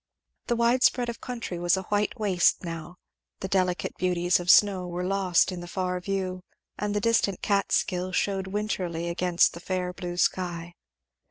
The wide spread of country was a white waste now; the delicate beauties of the snow were lost in the far view; and the distant Catskill shewed wintrily against the fair blue sky.